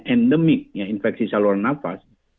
endemik ya infeksi saluran nafas